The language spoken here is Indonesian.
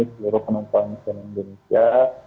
seluruh penonton indonesia